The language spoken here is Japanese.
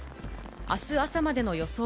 あす朝までの予想